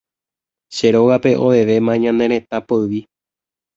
Che rógape ovevéma ñane retã poyvi